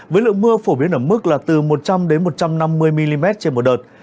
với lượng mưa phổ biến ở mức là từ một trăm linh một trăm năm mươi mm trên một đợt